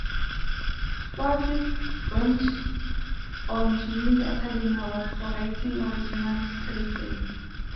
Sturges went on to win the Academy Award for Writing Original Screenplay.